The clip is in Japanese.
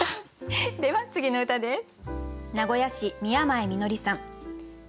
では次の歌です。